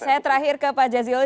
saya terakhir ke pak jazilul